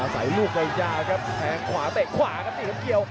ไสลูกเลยจ้าครับแพงขวาได้ขวาครับหนี่ต้นเกียว